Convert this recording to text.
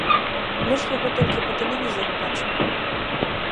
Мы ж яго толькі па тэлевізары бачым.